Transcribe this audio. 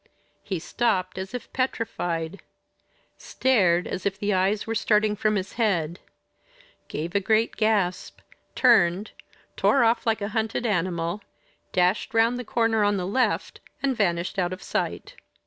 He stopped, as if petrified; stared, as if the eyes were starting from his head; gave a great gasp; turned; tore off like a hunted animal; dashed round the corner on the left; and vanished out of sight.